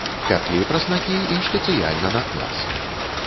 Пяклі праснакі і спецыяльна на квас.